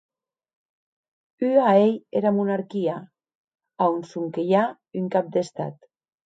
Ua ei era monarquia, a on sonque i a un cap d'Estat.